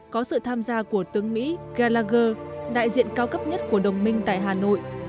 có sự tham gia của tướng mỹ galage đại diện cao cấp nhất của đồng minh tại hà nội